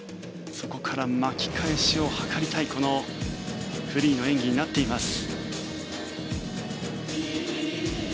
そこから巻き返しを図りたいフリーの演技になっています。